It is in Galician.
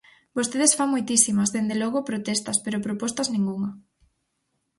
Vostedes fan moitísimas, dende logo, protestas pero propostas ningunha.